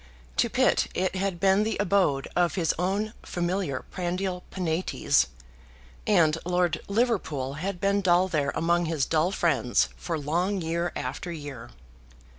To Pitt it had been the abode of his own familiar prandial Penates, and Lord Liverpool had been dull there among his dull friends for long year after year.